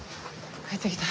帰ってきた。